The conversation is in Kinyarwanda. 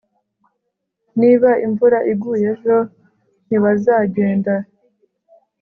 niba imvura iguye ejo, ntibazagenda